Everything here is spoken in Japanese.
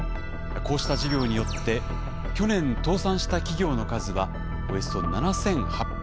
こうした事業によって去年倒産した企業の数はおよそ７，８００件。